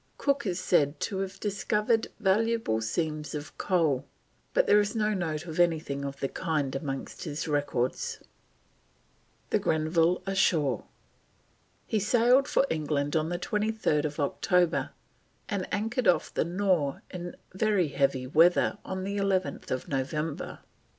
Cook is said to have discovered valuable seams of coal, but there is no note of anything of the kind amongst his records. THE GRENVILLE ASHORE. He sailed for England on 23rd October, and anchored off the Nore in very heavy weather on 11th November.